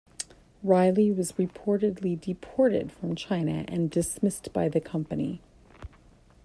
Reilly was reportedly deported from China and dismissed by the company.